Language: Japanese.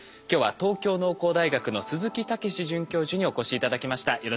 今日は東京農工大学の鈴木丈詞准教授にお越し頂きました。